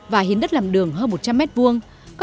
và hiến đất làm đường hơn một trăm linh m hai